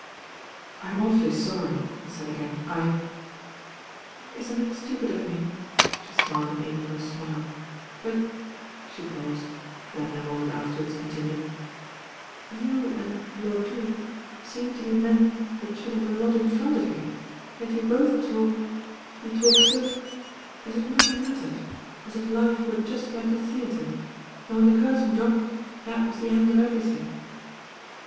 "I'm awfully sorry," he said again, "I " "Isn't it stupid of me," she smiled an April smile; "but " she paused, then a moment afterwards continued, "you and Lord Drewitt seem to be men that should have a lot in front of you ; yet you both talk — ^you talk so — as if nothing mattered, as if life were just like a theatre, and when the curtain dropped that was the end of everything."